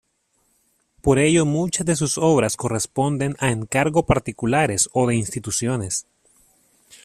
Por ello muchas de sus obras corresponden a encargo particulares o de instituciones.